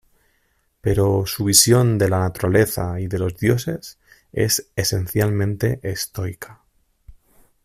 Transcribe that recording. Pero su visión de la naturaleza y de los dioses es esencialmente estoica.